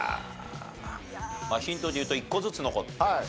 ヒントで言うと１個ずつ残ってます。